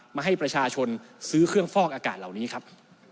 มาให้ประชาชนซื้อเครื่องฟอกอากาศเหล่านี้ครับ